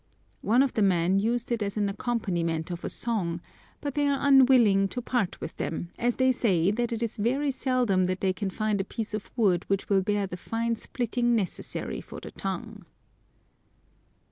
One of the men used it as an accompaniment of a song; but they are unwilling to part with them, as they say that it is very seldom that they can find a piece of wood which will bear the fine splitting necessary for the tongue.